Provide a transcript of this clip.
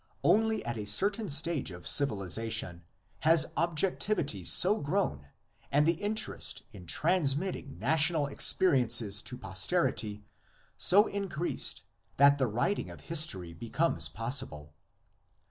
Only at a certain stage of civilisation has objectivity so grown and the inter est in transmitting national experiences to posterity so increased that the writing of history becomes possible.